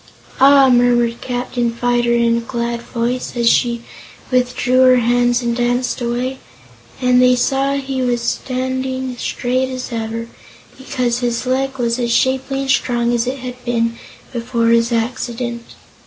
"Ah!" murmured Captain Fyter in a glad voice, as she withdrew her hands and danced away, and they saw he was standing straight as ever, because his leg was as shapely and strong as it had been before his accident.